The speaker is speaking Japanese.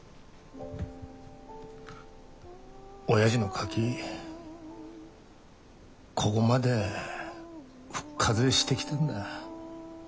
おやじのカキこごまで復活してきたんだ。